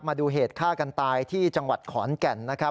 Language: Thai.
มาดูเหตุฆ่ากันตายที่จังหวัดขอนแก่นนะครับ